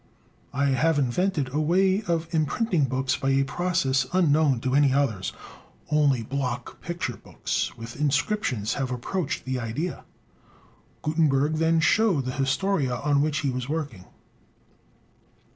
"I have invented a way of imprinting books by a process unknown to any others. Only block picture books with inscriptions have approached the idea." Gutenberg then showed the "Historia" on which he was working.